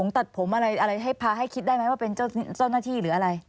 ตัดผมอะไรให้พาให้คิดได้ไหมว่าเป็นเจ้าหน้าที่หรืออะไร